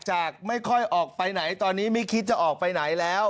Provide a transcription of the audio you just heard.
ไม่ค่อยออกไปไหนตอนนี้ไม่คิดจะออกไปไหนแล้ว